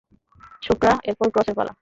ছোকরা, এরপর ক্রসের পালা।